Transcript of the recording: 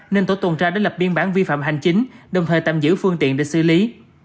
nên tổ tuần tra đã lập biên bản vi phạm hành chính đồng thời tạm giữ phương tiện để xử lý